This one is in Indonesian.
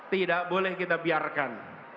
tidak boleh kita biarkan